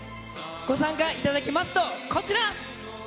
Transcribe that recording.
ご参加いただきますと、こちら。